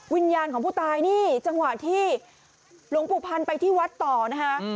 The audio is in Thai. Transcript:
วิญญาณของผู้ตายนี่จังหวะที่หลวงปู่พันธ์ไปที่วัดต่อนะคะ